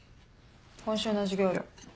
今週の授業料。